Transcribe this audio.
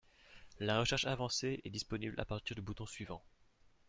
La recherche avancée est disponible à partir du bouton suivant